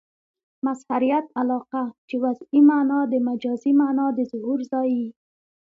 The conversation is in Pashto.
مظهریت علاقه؛ چي وضعي مانا د مجازي مانا د ظهور ځای يي.